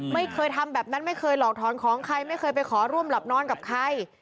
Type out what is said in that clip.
ไม่เคยทำแบบนั้นไม่เคยหลอกถอนของใครไม่เคยไปขอร่วมหลับนอนกับใคร